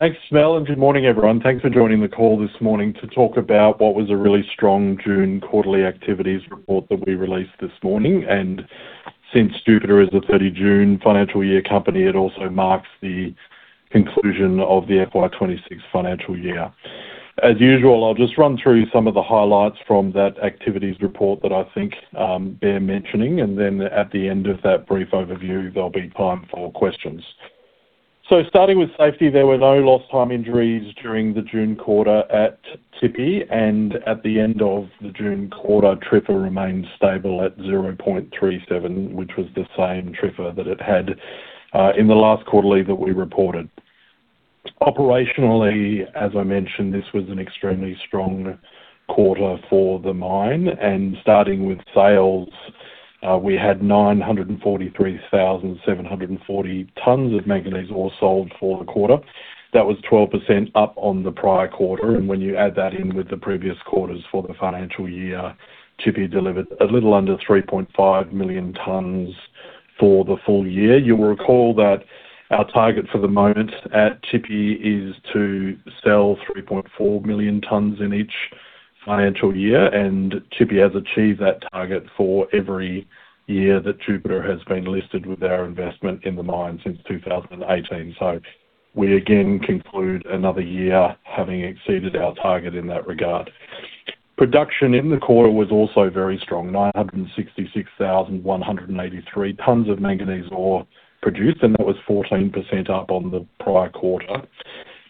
Thanks, Mel, good morning, everyone. Thanks for joining the call this morning to talk about what was a really strong June quarterly activities report that we released this morning. Since Jupiter is a 30 June financial year company, it also marks the conclusion of the FY 2026 financial year. As usual, I'll just run through some of the highlights from that activities report that I think bear mentioning, then at the end of that brief overview, there'll be time for questions. Starting with safety, there were no lost time injuries during the June quarter at Tshipi, and at the end of the June quarter, TRIFR remained stable at 0.37, which was the same TRIFR that it had in the last quarterly that we reported. Operationally, as I mentioned, this was an extremely strong quarter for the mine. Starting with sales, we had 943,740 tonnes of manganese ore sold for the quarter. That was 12% up on the prior quarter. When you add that in with the previous quarters for the financial year, Tshipi delivered a little under 3.5 million tonnes for the full year. You'll recall that our target for the moment at Tshipi is to sell 3.4 million tonnes in each financial year, and Tshipi has achieved that target for every year that Jupiter has been listed with our investment in the mine since 2018. We again conclude another year having exceeded our target in that regard. Production in the quarter was also very strong. 966,183 tonnes of manganese ore produced. That was 14% up on the prior quarter.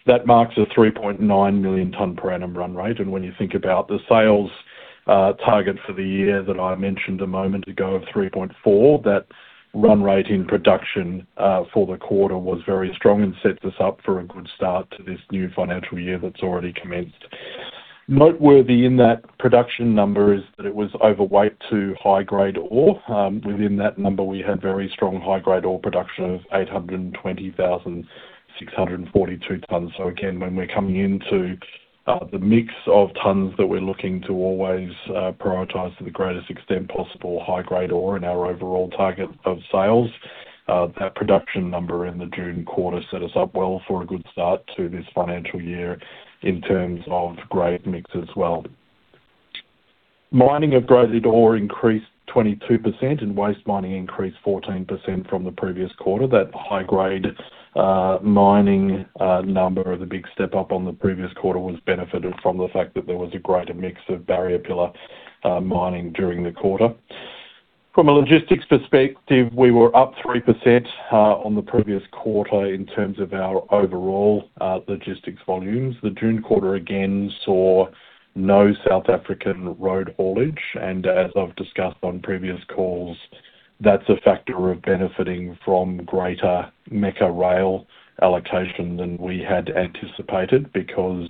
That marks a 3.9 million tonne per annum run rate. When you think about the sales target for the year that I mentioned a moment ago of 3.4, that run rate in production for the quarter was very strong and sets us up for a good start to this new financial year that's already commenced. Noteworthy in that production number is that it was overweight to high-grade ore. Within that number, we had very strong high-grade ore production of 820,642 tonnes. Again, when we're coming into the mix of tonnes that we're looking to always prioritize to the greatest extent possible, high-grade ore in our overall target of sales, that production number in the June quarter set us up well for a good start to this financial year in terms of grade mix as well. Mining of graded ore increased 22%. Waste mining increased 14% from the previous quarter. That high-grade mining number of the big step-up on the previous quarter was benefited from the fact that there was a greater mix of barrier pillar mining during the quarter. From a logistics perspective, we were up 3% on the previous quarter in terms of our overall logistics volumes. The June quarter, again, saw no South African road haulage. As I've discussed on previous calls, that's a factor of benefiting from greater Ngqura Rail allocation than we had anticipated because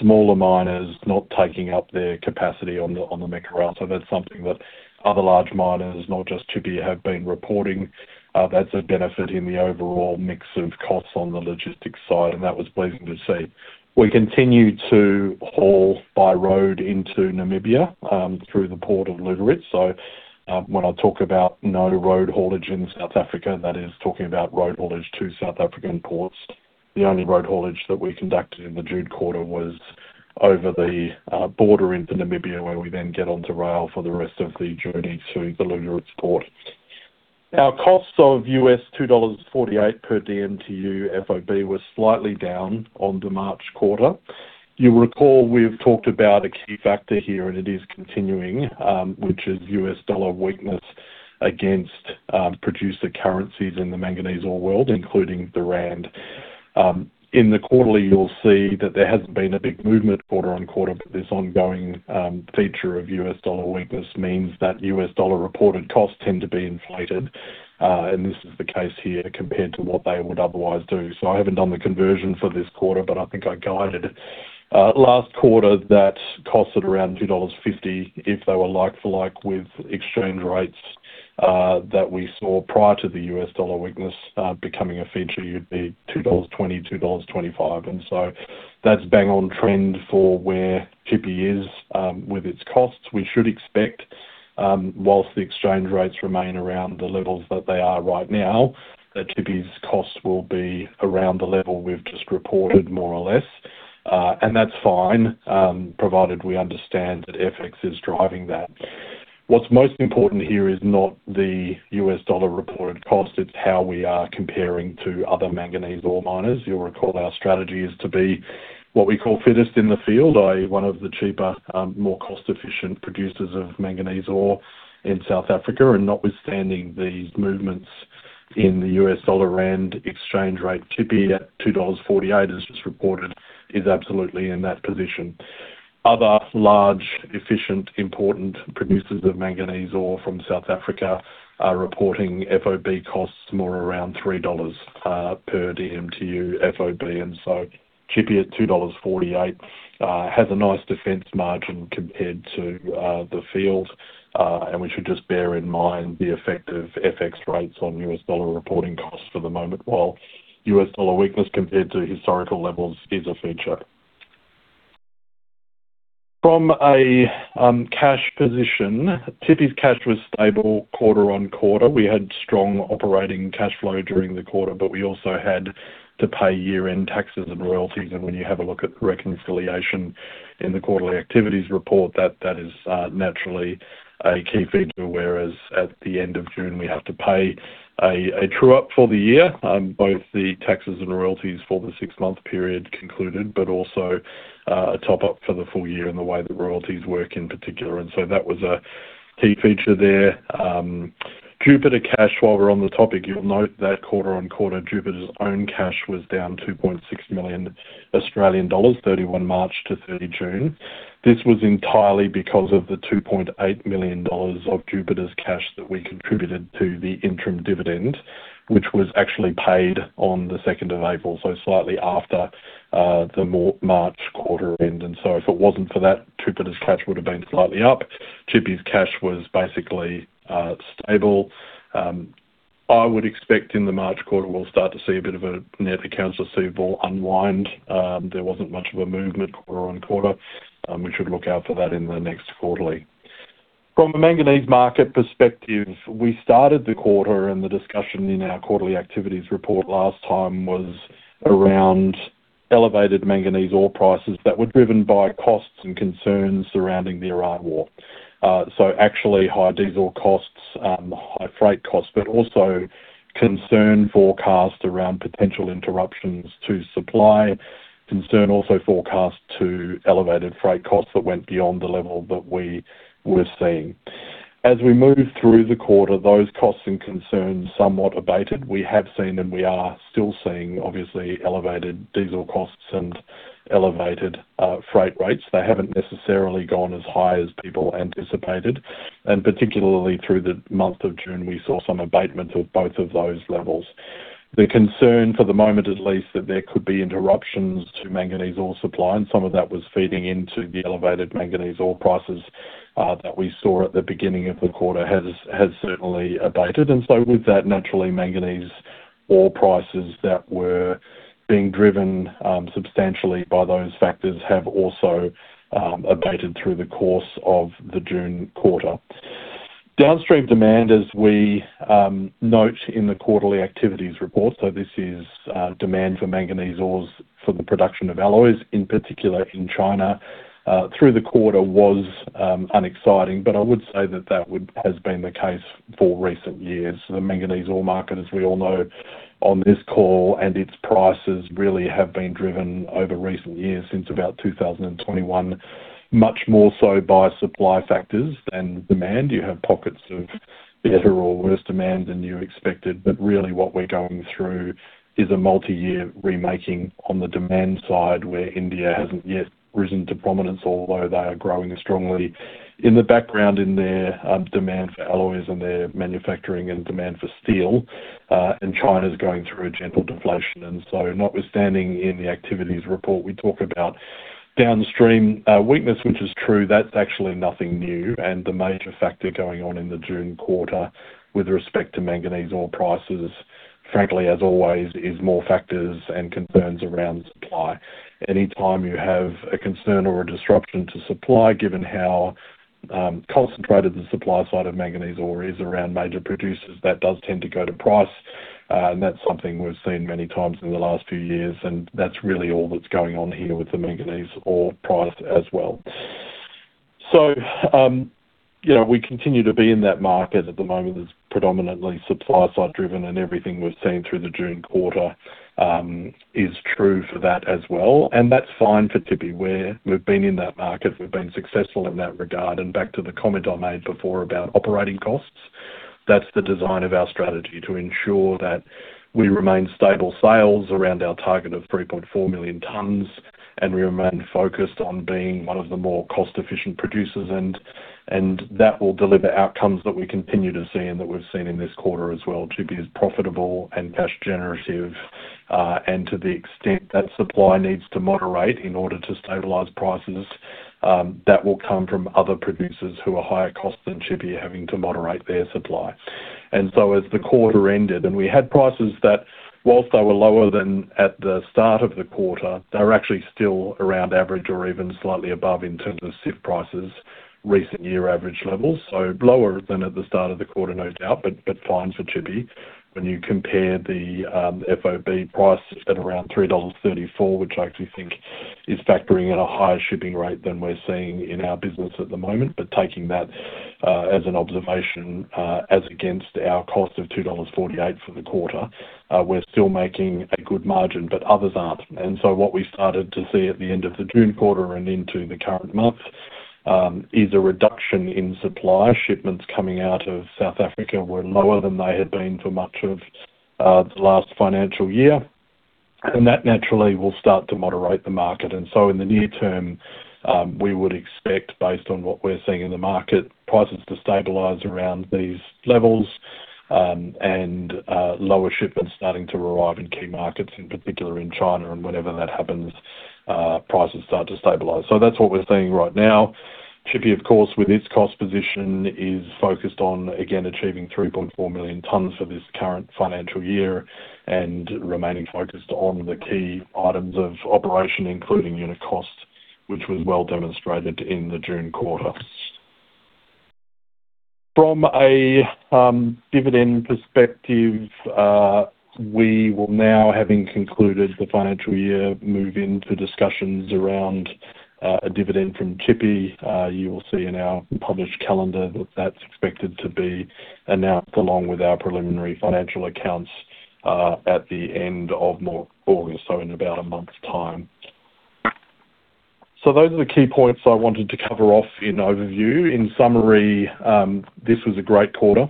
smaller miners not taking up their capacity on the Ngqura Rail. That's something that other large miners, not just Tshipi, have been reporting. That's a benefit in the overall mix of costs on the logistics side, and that was pleasing to see. We continued to haul by road into Namibia through the Port of Lüderitz. When I talk about no road haulage in South Africa, that is talking about road haulage to South African ports. The only road haulage that we conducted in the June quarter was over the border into Namibia, where we then get onto rail for the rest of the journey to the Lüderitz port. Our cost of $2.48/dmtu FOB was slightly down on the March quarter. You'll recall we've talked about a key factor here, and it is continuing, which is U.S. dollar weakness against producer currencies in the manganese ore world, including the rand. In the quarterly, you'll see that there hasn't been a big movement quarter-on-quarter, but this ongoing feature of U.S. dollar weakness means that U.S. dollar-reported costs tend to be inflated, and this is the case here compared to what they would otherwise do. I haven't done the conversion for this quarter, but I think I guided last quarter that cost at around $2.50 if they were like for like with exchange rates that we saw prior to the U.S. dollar weakness becoming a feature, you'd be $2.20, $2.25. That's bang on trend for where Tshipi is with its costs. We should expect, whilst the exchange rates remain around the levels that they are right now, that Tshipi's costs will be around the level we've just reported, more or less. That's fine, provided we understand that FX is driving that. What's most important here is not the U.S. dollar reported cost, it's how we are comparing to other manganese ore miners. You'll recall our strategy is to be what we call fittest in the field, i.e. one of the cheaper, more cost-efficient producers of manganese ore in South Africa. Notwithstanding these movements in the U.S. dollar/rand exchange rate, Tshipi at $2.48, as just reported, is absolutely in that position. Other large, efficient, important producers of manganese ore from South Africa are reporting FOB costs more around $3/dmtu FOB, Tshipi at $2.48 has a nice defense margin compared to the field. We should just bear in mind the effect of FX rates on U.S. dollar reporting costs for the moment while U.S. dollar weakness compared to historical levels is a feature. From a cash position, Tshipi's cash was stable quarter-on-quarter. We had strong operating cash flow during the quarter, but we also had to pay year-end taxes and royalties. When you have a look at the reconciliation in the quarterly activities report, that is naturally a key feature. Whereas at the end of June, we have to pay a true-up for the year. Both the taxes and royalties for the six-month period concluded, but also a top-up for the full year and the way the royalties work in particular. That was a key feature there. Jupiter cash, while we're on the topic, you'll note that quarter-on-quarter, Jupiter's own cash was down 2.6 million Australian dollars, 31 March-30 June. This was entirely because of the 2.8 million dollars of Jupiter's cash that we contributed to the interim dividend, which was actually paid on the 2nd of April, so slightly after the March quarter end. If it wasn't for that, Jupiter's cash would have been slightly up. Tshipi's cash was basically stable. I would expect in the March quarter, we'll start to see a bit of a net accounts receivable unwind. There wasn't much of a movement quarter-on-quarter. We should look out for that in the next quarterly. From a manganese market perspective, we started the quarter and the discussion in our quarterly activities report last time was around elevated manganese ore prices that were driven by costs and concerns surrounding the Iran War. Actually, high diesel costs, high freight costs, but also concern forecast around potential interruptions to supply, concern also forecast to elevated freight costs that went beyond the level that we were seeing. As we moved through the quarter, those costs and concerns somewhat abated. We have seen and we are still seeing, obviously, elevated diesel costs and elevated freight rates. They haven't necessarily gone as high as people anticipated, and particularly through the month of June, we saw some abatement of both of those levels. The concern, for the moment at least, that there could be interruptions to manganese ore supply, and some of that was feeding into the elevated manganese ore prices that we saw at the beginning of the quarter, has certainly abated. With that, naturally, manganese ore prices that were being driven substantially by those factors have also abated through the course of the June quarter. Downstream demand, as we note in the quarterly activities report, this is demand for manganese ores for the production of alloys, in particular in China, through the quarter was unexciting, but I would say that that has been the case for recent years. The manganese ore market, as we all know on this call, and its prices really have been driven over recent years since about 2021, much more so by supply factors than demand. You have pockets of better or worse demand than you expected, but really what we're going through is a multi-year remaking on the demand side where India hasn't yet risen to prominence, although they are growing strongly in the background in their demand for alloys and their manufacturing and demand for steel. China's going through a gentle deflation. Notwithstanding in the activities report, we talk about downstream weakness, which is true. That's actually nothing new. The major factor going on in the June quarter with respect to manganese ore prices, frankly, as always, is more factors and concerns around supply. Anytime you have a concern or a disruption to supply, given how concentrated the supply side of manganese ore is around major producers, that does tend to go to price, and that's something we've seen many times in the last few years, and that's really all that's going on here with the manganese ore price as well. We continue to be in that market. At the moment, it's predominantly supply-side driven, and everything we've seen through the June quarter is true for that as well. That's fine for Tshipi, where we've been in that market, we've been successful in that regard. Back to the comment I made before about operating costs, that's the design of our strategy to ensure that we remain stable sales around our target of 3.4 million tonnes, and we remain focused on being one of the more cost-efficient producers. That will deliver outcomes that we continue to see and that we've seen in this quarter as well to be as profitable and cash generative. To the extent that supply needs to moderate in order to stabilize prices, that will come from other producers who are higher cost than Tshipi having to moderate their supply. As the quarter ended and we had prices that whilst they were lower than at the start of the quarter, they were actually still around average or even slightly above in terms of CIF prices, recent year average levels. Lower than at the start of the quarter, no doubt, but fine for Tshipi. When you compare the FOB price at around $3.34, which I actually think is factoring in a higher shipping rate than we're seeing in our business at the moment. Taking that as an observation as against our cost of $2.48 for the quarter, we're still making a good margin, but others aren't. What we started to see at the end of the June quarter and into the current month is a reduction in supply. Shipments coming out of South Africa were lower than they had been for much of the last financial year. That naturally will start to moderate the market. In the near term, we would expect, based on what we're seeing in the market, prices to stabilize around these levels, and lower shipments starting to arrive in key markets, in particular in China. Whenever that happens, prices start to stabilize. That's what we're seeing right now. Tshipi, of course, with its cost position, is focused on, again, achieving 3.4 million tonnes for this current financial year and remaining focused on the key items of operation, including unit cost, which was well demonstrated in the June quarter. From a dividend perspective, we will now, having concluded the financial year, move into discussions around a dividend from Tshipi. You will see in our published calendar that that's expected to be announced along with our preliminary financial accounts at the end of August, so in about a month's time. Those are the key points I wanted to cover off in overview. In summary, this was a great quarter.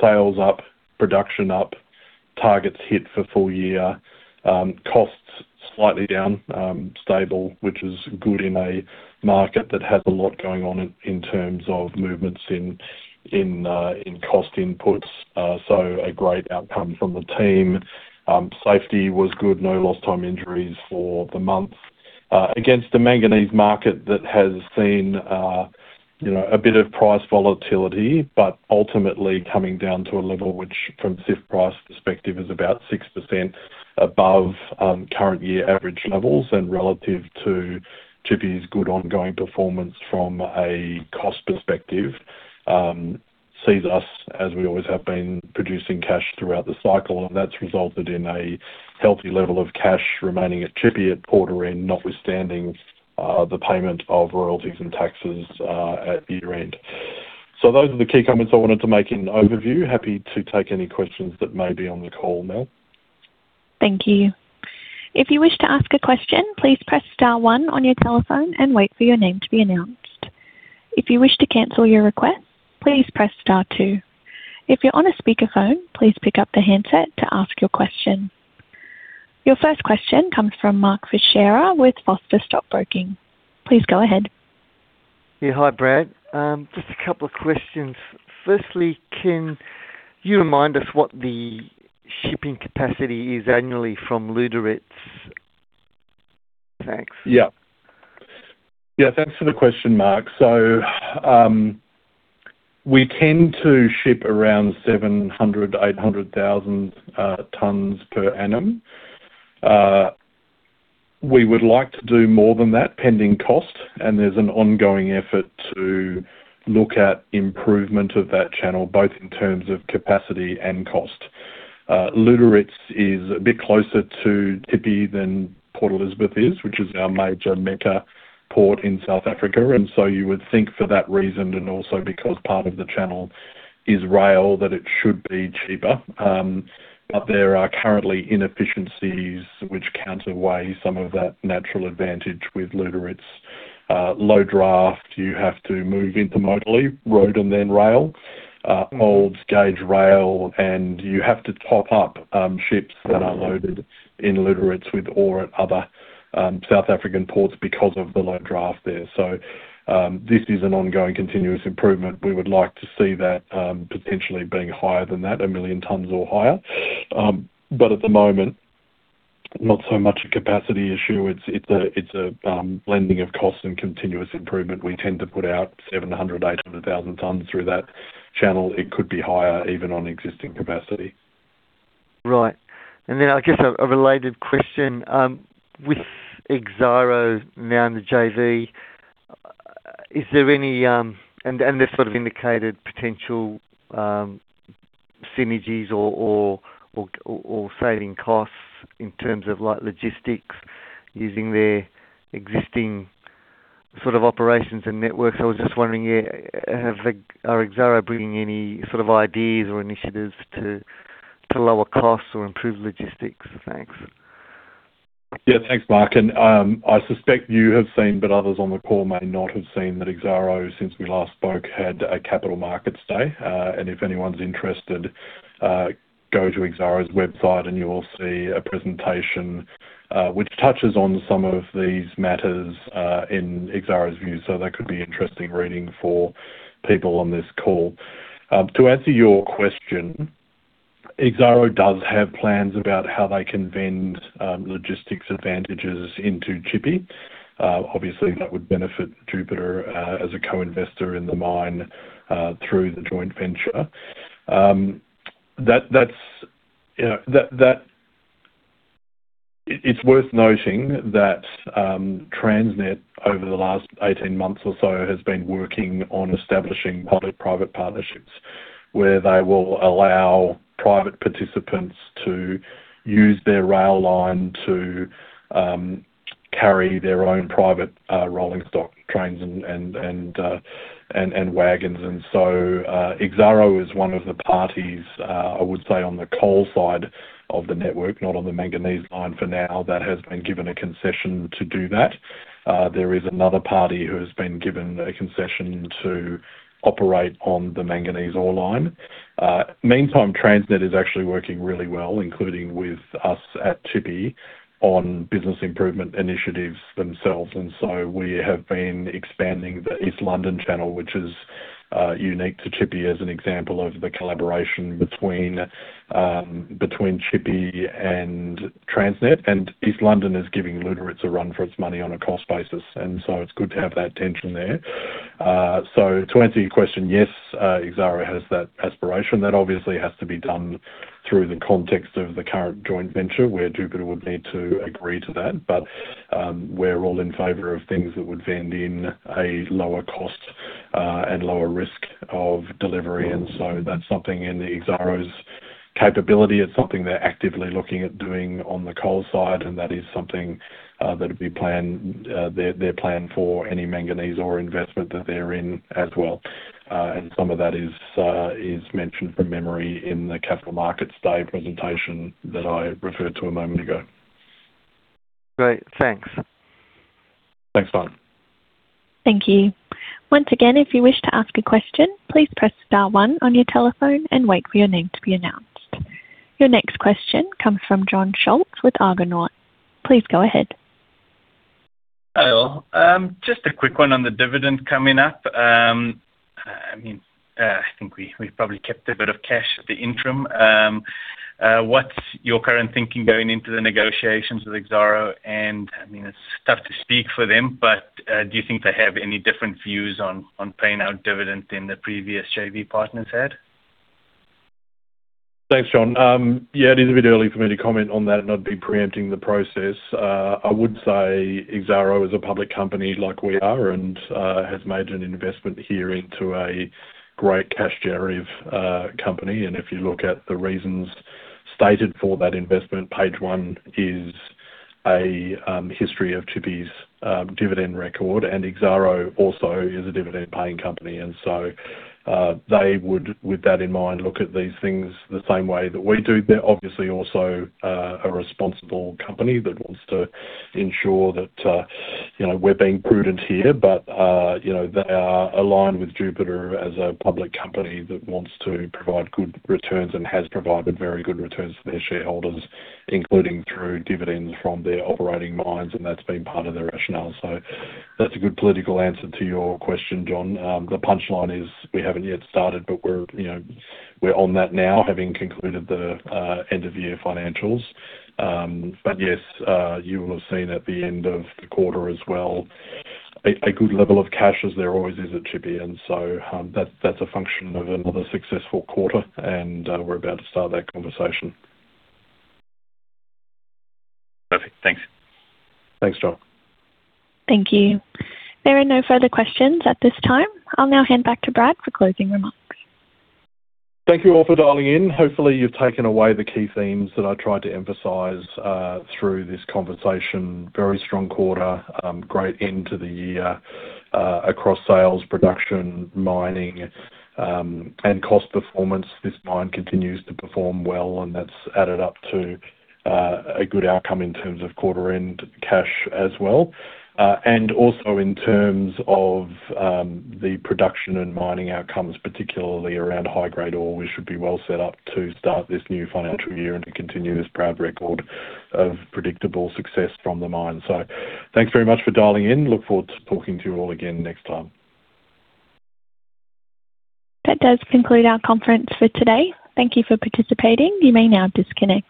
Sales up, production up, targets hit for full year, costs slightly down, stable, which is good in a market that has a lot going on in terms of movements in cost inputs. A great outcome from the team. Safety was good. No lost time injuries for the month. Against a manganese market that has seen a bit of price volatility, but ultimately coming down to a level which, from CIF price perspective, is about 6% above current year average levels and relative to Tshipi's good ongoing performance from a cost perspective, sees us, as we always have been, producing cash throughout the cycle. That's resulted in a healthy level of cash remaining at Tshipi at quarter end, notwithstanding the payment of royalties and taxes at year-end. Those are the key comments I wanted to make in overview. Happy to take any questions that may be on the call now. Thank you. If you wish to ask a question, please press star one on your telephone and wait for your name to be announced. If you wish to cancel your request, please press star two. If you're on a speakerphone, please pick up the handset to ask your question. Your first question comes from Mark Fisher with Foster Stockbroking. Please go ahead. Yeah. Hi, Brad. Just a couple of questions. Firstly, can you remind us what the shipping capacity is annually from Lüderitz? Thanks. Yeah. Thanks for the question, Mark. We tend to ship around 700,000 tonnes, 800,000 tonnes per annum. We would like to do more than that, pending cost, and there's an ongoing effort to look at improvement of that channel, both in terms of capacity and cost. Lüderitz is a bit closer to Tshipi than Port Elizabeth is, which is our major Ngqura port in South Africa. You would think for that reason, and also because part of the channel is rail, that it should be cheaper. There are currently inefficiencies which counterweigh some of that natural advantage with Lüderitz. Low draft, you have to move intermodally, road and then rail. Old gauge rail, and you have to top up ships that are loaded in Lüderitz with ore at other South African ports because of the low draft there. This is an ongoing continuous improvement. We would like to see that potentially being higher than that, 1 million tonnes or higher. At the moment, not so much a capacity issue. It's a blending of cost and continuous improvement. We tend to put out 700,000 tonnes, 800,000 tonnes through that channel. It could be higher even on existing capacity. Right. Then, I guess a related question. With Exxaro now in the JV, they sort of indicated potential synergies or saving costs in terms of logistics using their existing operations and networks. I was just wondering, are Exxaro bringing any ideas or initiatives to lower costs or improve logistics? Thanks. Thanks, Mark. I suspect you have seen, but others on the call may not have seen, that Exxaro, since we last spoke, had a capital markets day. If anyone's interested, go to Exxaro's website and you will see a presentation which touches on some of these matters in Exxaro's view. That could be interesting reading for people on this call. To answer your question, Exxaro does have plans about how they can vend logistics advantages into Tshipi. Obviously, that would benefit Jupiter as a co-investor in the mine through the joint venture. It's worth noting that Transnet, over the last 18 months or so, has been working on establishing public-private partnerships where they will allow private participants to use their rail line to carry their own private rolling stock trains and wagons. Exxaro is one of the parties, I would say on the coal side of the network, not on the manganese line for now, that has been given a concession to do that. There is another party who has been given a concession to operate on the manganese ore line. Meantime, Transnet is actually working really well, including with us at Tshipi, on business improvement initiatives themselves. We have been expanding the East London channel, unique to Tshipi as an example of the collaboration between Tshipi and Transnet. East London is giving Lüderitz a run for its money on a cost basis. It's good to have that tension there. To answer your question, yes, Exxaro has that aspiration. That obviously has to be done through the context of the current joint venture, where Jupiter would need to agree to that. We're all in favor of things that would vend in a lower cost and lower risk of delivery. That's something in Exxaro's capability. It's something they're actively looking at doing on the coal side, and that is something that their plan for any manganese ore investment that they're in as well. Some of that is mentioned from memory in the Capital Markets Day presentation that I referred to a moment ago. Great. Thanks. Thanks, Mark. Thank you. Once again, if you wish to ask a question, please press star one on your telephone and wait for your name to be announced. Your next question comes from John Scholtz with Argonaut. Please go ahead. Hello. Just a quick one on the dividend coming up. I think we probably kept a bit of cash at the interim. What's your current thinking going into the negotiations with Exxaro? It's tough to speak for them, but do you think they have any different views on paying out dividends than the previous JV partners had? Thanks, John. It is a bit early for me to comment on that, and I'd be preempting the process. I would say Exxaro is a public company like we are and has made an investment here into a great cash generative company. If you look at the reasons stated for that investment, page one is a history of Tshipi's dividend record, and Exxaro also is a dividend-paying company. They would, with that in mind, look at these things the same way that we do. They're obviously also a responsible company that wants to ensure that we're being prudent here. They are aligned with Jupiter as a public company that wants to provide good returns and has provided very good returns to their shareholders, including through dividends from their operating mines, and that's been part of their rationale. That's a good political answer to your question, John. The punchline is we haven't yet started, but we're on that now, having concluded the end-of-year financials. Yes, you will have seen at the end of the quarter as well, a good level of cash as there always is at Tshipi. That's a function of another successful quarter, and we're about to start that conversation. Perfect. Thanks. Thanks, John. Thank you. There are no further questions at this time. I'll now hand back to Brad for closing remarks. Thank you all for dialing in. Hopefully, you've taken away the key themes that I tried to emphasize through this conversation. Very strong quarter, great end to the year, across sales, production, mining, and cost performance. This mine continues to perform well, and that's added up to a good outcome in terms of quarter end cash as well. Also in terms of the production and mining outcomes, particularly around high-grade ore, we should be well set up to start this new financial year and to continue this proud record of predictable success from the mine. Thanks very much for dialing in. Look forward to talking to you all again next time. That does conclude our conference for today. Thank you for participating. You may now disconnect.